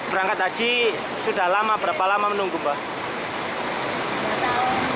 berangkat haji sudah lama berapa lama menunggu mbak